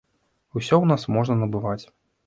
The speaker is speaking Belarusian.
Усё ў нас можна набываць.